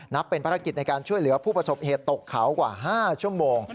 เป็นภารกิจในการช่วยเหลือผู้ประสบเหตุตกเขากว่า๕ชั่วโมง